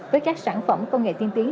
với các sản phẩm công nghệ tiên tiến